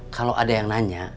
kalau ada yang nanya